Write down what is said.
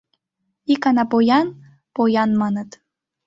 Икана поян, поян, маныт